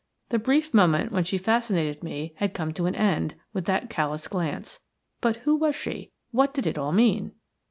The brief moment when she fascinated me had come to an end with that callous glance. But who was she? What did it all mean?